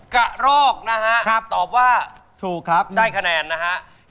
กะโรกนะฮะตอบว่าได้คะแนนนะฮะถูกครับ